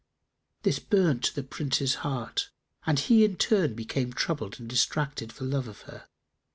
This burnt the Prince's heart and he in turn became troubled and distracted for love of her.